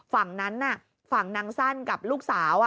ฝั่งนั้นน่ะฝั่งนางสั้นกับลูกสาว